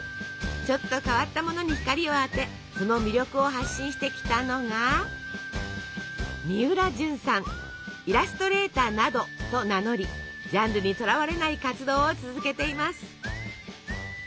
ちょっと変わったものに光を当てその魅力を発信してきたのが「イラストレーターなど」と名乗りジャンルにとらわれない活動を続けています。